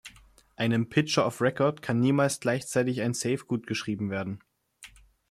Einem "Pitcher of Record" kann niemals gleichzeitig ein Save gutgeschrieben werden.